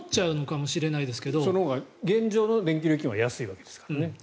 そのほうが現状の電気料金は安いわけですから。